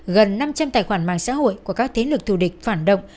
gần năm trăm linh tài khoản mạng xã hội của các thế lực thù địch phản động